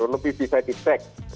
lebih bisa di check